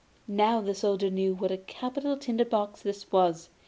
Now the Soldier knew what a capital tinder box this was.